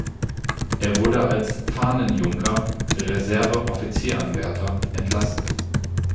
Er wurde als Fahnenjunker (Reserveoffizieranwärter) entlassen.